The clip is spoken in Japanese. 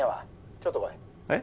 ちょっと来いえッ？